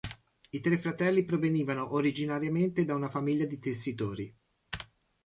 I tre fratelli provenivano originariamente da una famiglia di tessitori.